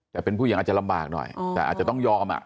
แต่เป็นผู้หญิงอาจจะลำบากหน่อยแต่อาจจะต้องยอม